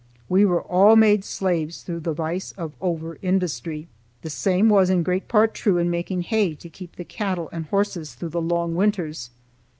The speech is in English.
We were all made slaves through the vice of over industry. The same was in great part true in making hay to keep the cattle and horses through the long winters.